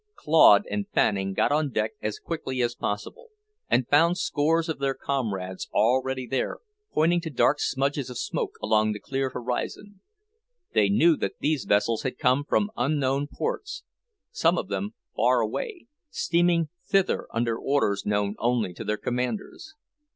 Claude and Fanning got on deck as quickly as possible and found scores of their comrades already there, pointing to dark smudges of smoke along the clear horizon. They knew that these vessels had come from unknown ports, some of them far away, steaming thither under orders known only to their commanders.